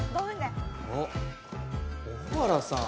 あっ小原さん。